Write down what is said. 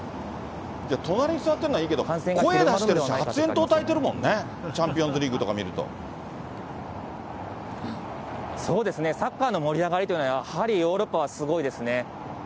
隣に座ってるのはいいけど、声出してるし、発煙筒たいてるもんね、そうですね、サッカーの盛り上がりっていうのは、やはりヨーロッパはすごいですね。